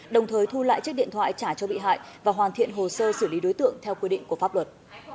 đồng thời thu lại chiếc điện thoại trả cho bị hại và hoàn thiện hồ sơ xử lý đối tượng theo quy định của pháp luật